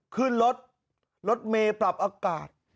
ขึ้นรถรถเมย์ปรับอากาศ